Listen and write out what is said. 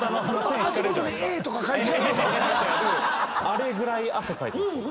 あれぐらい汗かいてますよ。